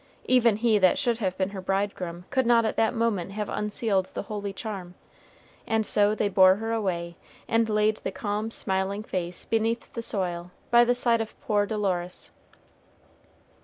Even he that should have been her bridegroom could not at that moment have unsealed the holy charm, and so they bore her away, and laid the calm smiling face beneath the soil, by the side of poor Dolores.